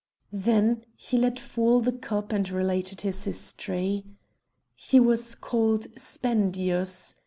Then he let fall the cup and related his history. He was called Spendius.